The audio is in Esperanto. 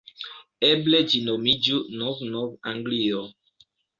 Eble ĝi nomiĝu Nov-Nov-Anglio.